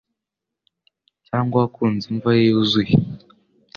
Cyangwa wakunze imva ye yuzuye